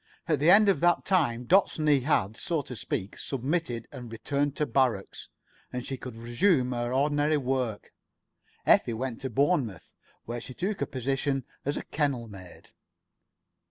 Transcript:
At the end of that time Dot's knee had, so to speak, submitted and returned to barracks, and she could resume her ordinary work. Effie went to Bournemouth, where she took a position as kennel maid.